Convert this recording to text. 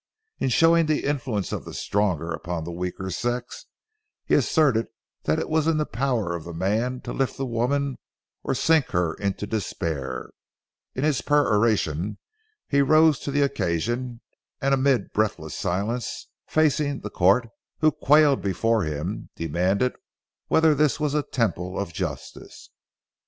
In showing the influence of the stronger upon the weaker sex, he asserted that it was in the power of the man to lift the woman or to sink her into despair. In his peroration he rose to the occasion, and amid breathless silence, facing the court, who quailed before him, demanded whether this was a temple of justice.